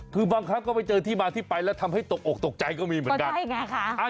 คือบางครั้งก็ไปเจอที่มาที่ไปแล้วทำให้ตกอกตกใจก็มีเหมือนกันใช่ไงค่ะ